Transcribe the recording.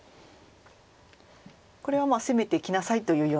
これは攻めてきなさいというような。